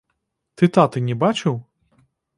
Ты таты не бачыў?